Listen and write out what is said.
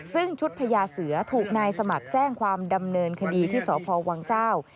ซึ่งชุดพญาเสือถูกนายสมัครแจ้งความดำเนินคดีที่สพวังเจ้า